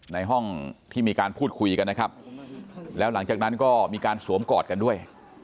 ในห้องที่มีการพูดคุยกันนะครับแล้วหลังจากนั้นก็มีการสวมกอดกันด้วย